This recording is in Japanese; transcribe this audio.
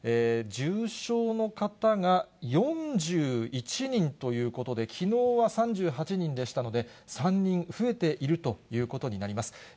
重症の方が４１人ということで、きのうは３８人でしたので、３人増えているということになります。